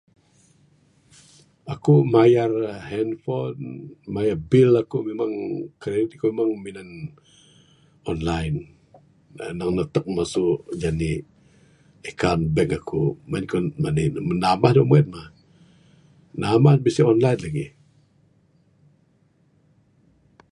Aku mayar handphone mayar bill aku memang kredit ku memang minan online, tau ne netek mesu jenik account bank aku mung en ku menik. Nambah ne mung mah, nambah ne bisi online legi.